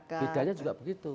nah sekarang bedanya juga begitu